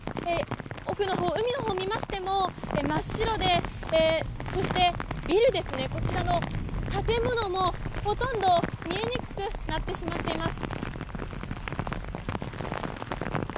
奥のほう海のほうを見ましても真っ白でビル、こちらの建物もほとんど見えにくくなってしまっています。